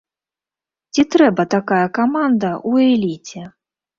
Ці трэба такая каманда ў эліце?